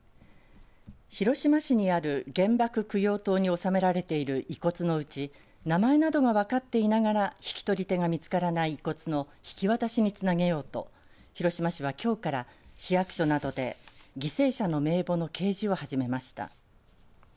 広島市にある原爆供養塔に納められている遺骨のうち名前などが分かっていながら引き取り手が見つからない遺骨の引き渡しにつなげようと広島市はきょうから市役所などで犠牲者の名簿の掲示を始めました。